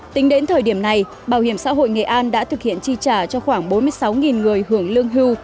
tính đến thời điểm này bảo hiểm xã hội nghệ an đã thực hiện chi trả cho khoảng bốn mươi sáu người hưởng lương hưu